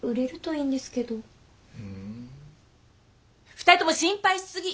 ２人とも心配しすぎ！